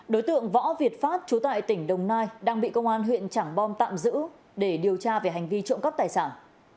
đối tượng võ việt phát trú tại tỉnh đồng nai đang bị công an huyện trảng bom tạm giữ để điều tra về hành vi trộm cắp tài sản